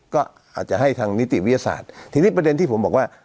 ก็อาจจะให้ทางนิติวิทยาศาสตร์ทีนี้ประเด็นที่ผมบอกว่า